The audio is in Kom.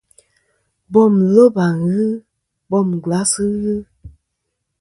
Bom loba ghɨ, bom glas ghɨ.